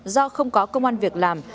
do không có công an việc làm